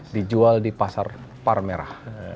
dijual di pasar par merah